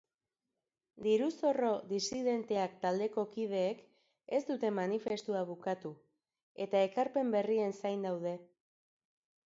Diru-zorro disidenteak taldeko kideek ez dute manifestua bukatu eta ekarpen berrien zain daude.